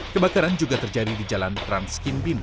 kebakaran juga terjadi di jalan transkinbin